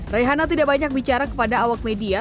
rehana tidak banyak bicara kepada awak media